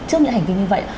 trước những hành vi như vậy